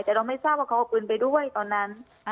แต่เราไม่ทราบว่าเขาเอาปืนไปด้วยตอนนั้น